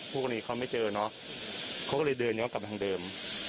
พวกนี้เขาไม่เจอเนอะเขาก็เลยเดินเดี๋ยวกลับมาทางเดิม